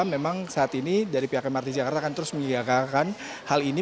memang saat ini dari pihak mrt jakarta akan terus mengiagakan hal ini